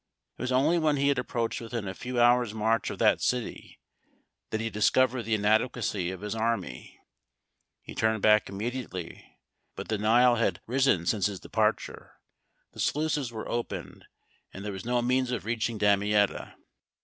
It was only when he had approached within a few hours' march of that city that he discovered the inadequacy of his army. He turned back immediately; but the Nile had risen since his departure; the sluices were opened, and there was no means of reaching Damietta.